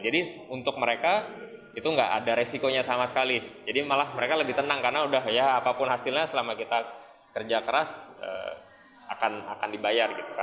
jadi untuk mereka itu nggak ada resikonya sama sekali jadi malah mereka lebih tenang karena udah ya apapun hasilnya selama kita kerja keras akan dibayar